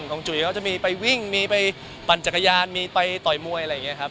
ของจุ๋ยเขาจะมีไปวิ่งมีไปปั่นจักรยานมีไปต่อยมวยอะไรอย่างนี้ครับ